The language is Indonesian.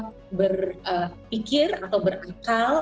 untuk berpikir atau berakal